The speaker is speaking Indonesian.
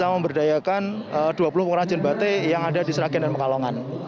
mengerayakan dua puluh pengurangan jenbatik yang ada di seragin dan mekalongan